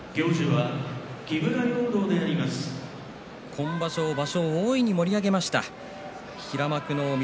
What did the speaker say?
今場所、場所を大いに盛り上げました平幕の翠